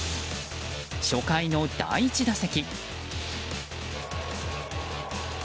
初回の第１打席。